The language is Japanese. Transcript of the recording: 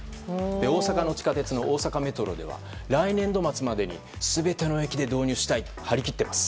大阪の地下鉄の大阪メトロでは来年度末までに全ての駅で導入したいとはりきっています。